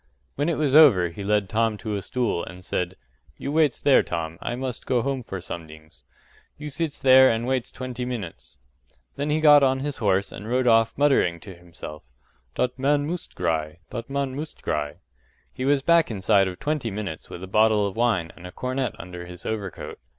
When it was over he led Tom to a stool and said, “You waits there, Tom. I must go home for somedings. You sits there still and waits twenty minutes;” then he got on his horse and rode off muttering to himself; “Dot man moost gry, dot man moost gry.” He was back inside of twenty minutes with a bottle of wine and a cornet under his overcoat.